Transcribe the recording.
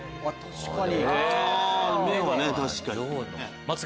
確かに。